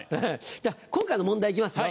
じゃあ今回の問題行きますよ